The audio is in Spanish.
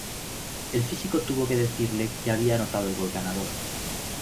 El físico tuvo que decirle que había anotado el gol ganador.